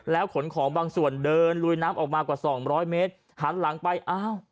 ขนของบางส่วนเดินลุยน้ำออกมากว่าสองร้อยเมตรหันหลังไปอ้าว